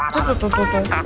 tuh tuh tuh tuh